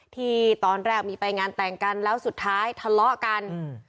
ที่ตอนแรกมีไปงานแต่งกันแล้วสุดท้ายทะเลาะกันอืม